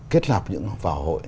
kết lạp những vào hội